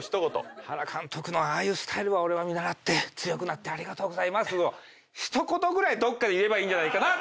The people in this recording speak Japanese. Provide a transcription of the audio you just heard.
原監督のああいうスタイルを俺は見習って強くなってありがとうございますを一言ぐらいどっかで言えばいいんじゃないかなと。